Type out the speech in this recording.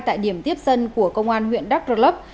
tại điểm tiếp dân của công an huyện đắk rơ lấp